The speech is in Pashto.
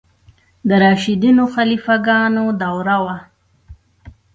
د راشدینو خلیفه ګانو دوره وه.